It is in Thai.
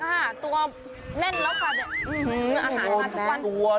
ค่ะตัวแน่นหรอกอาหารทุกวัน